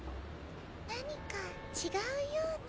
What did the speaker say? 何か違うような。